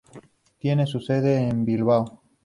Tiene su sede en Bilbao.